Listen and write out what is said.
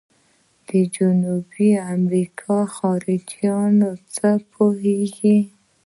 د جنوبي امریکا خلیجونه څه پوهیږئ؟